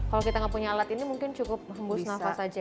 kalo kita gak punya alat ini mungkin cukup hembus nafas aja ya